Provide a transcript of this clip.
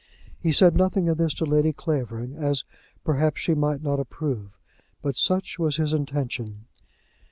He said nothing of this to Lady Clavering, as, perhaps, she might not approve; but such was his intention.